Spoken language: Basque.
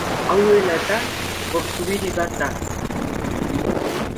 Hau dela eta portu-hiri bat da.